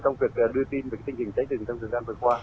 trong việc đưa tin về kinh tế cháy rừng trong thời gian vừa qua